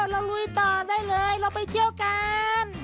ลุยต่อได้เลยเราไปเที่ยวกัน